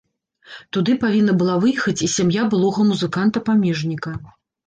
Туды павінна была выехаць і сям'я былога музыканта-памежніка.